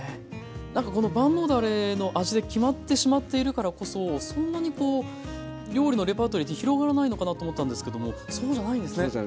なんかこの万能だれの味で決まってしまっているからこそそんなにこう料理のレパートリーって広がらないのかなと思ったんですけどもそうじゃないんですね。